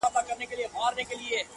مور لږ هوش ته راځي خو لا هم کمزورې ده-